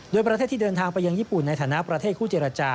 โดยประเทศที่เดินทางไปยังญี่ปุ่นในฐานะประเทศคู่เจรจา